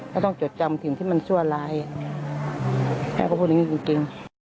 แล้วต้องจดจำถึงที่มันซั่วร้ายแม่ก็พูดแบบนี้จริง